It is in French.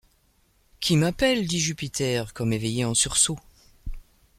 Qui m’appelle? dit Jupiter, comme éveillé en sursaut.